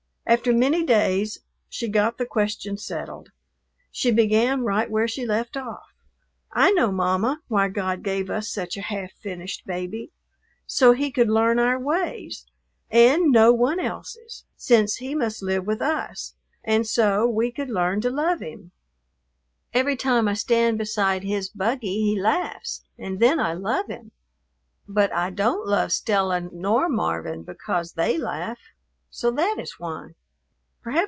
After many days she got the question settled. She began right where she left off. "I know, Mamma, why God gave us such a half finished baby; so he could learn our ways, and no one else's, since he must live with us, and so we could learn to love him. Every time I stand beside his buggy he laughs and then I love him, but I don't love Stella nor Marvin because they laugh. So that is why."